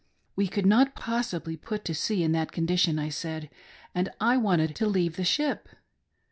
We could not possibly put to sea in that condition, I said, and I wanted to leave the ship.